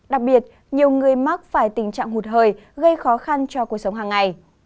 đặc biệt nhiều người mắc phải tình trạng hụt hơi gây khó khăn cho cuộc sống hàng ngày